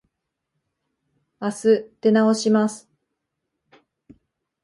あす出直します。